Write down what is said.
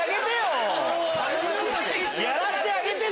やらしてあげてよ！